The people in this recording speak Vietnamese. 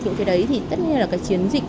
kiểu thế đấy thì tất nhiên là cái chiến dịch